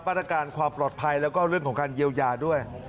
ตรการความปลอดภัยแล้วก็เรื่องของการเยียวยาด้วย